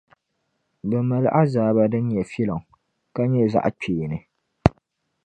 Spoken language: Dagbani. bɛ mali azaaba din nyɛ filiŋ, ka nyɛ zaɣikpeeni.